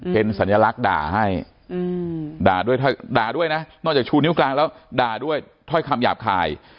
เป็นสัญลักษณ์ด่าให้ด่าด้วยด่าด้วยนะนอกจากชูนิ้วกลางแล้วด่าด้วยถ้อยคำหยาบคาย